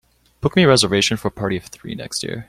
Book me a reservation for a party of three next year